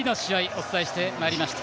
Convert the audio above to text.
お伝えしてまいりました。